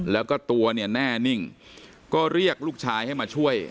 แล้วก็ตัวเนี่ยแน่นิ่งก็เรียกลูกชายให้มาช่วย